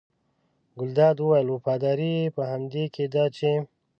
ګلداد وویل وفاداري یې په همدې کې ده چې.